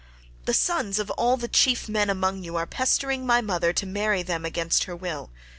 The sons of all the chief men among you are pestering my mother to marry them against her will.